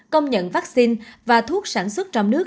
công nhận vaccine và thuốc sản xuất trong nước